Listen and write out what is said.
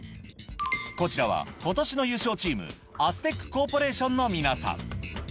こちらはことしの優勝チーム、アステックコーポレーションの皆さん。